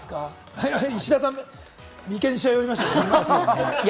石田さん、眉間にしわ寄りましたね。